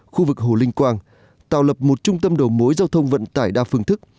khu vực hồ linh quang tạo lập một trung tâm đầu mối giao thông vận tải đa phương thức